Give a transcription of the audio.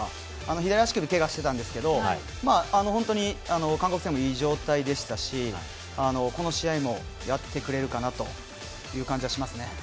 左足首をけがしてたんですけど本当に韓国戦もいい状態でしたしこの試合も、やってくれるかなという感じがしますね。